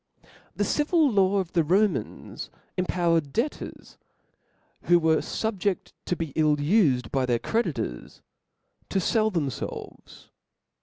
The civil law of the Rohiahs empowered debtors; who were fubjefl: to be ill ufed by their creditors, to fell themfelves.